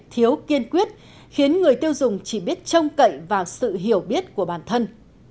thiếu kiên quyết khiến người tiêu dùng chỉ biết trông cậy vào sự hiểu biết của bản thân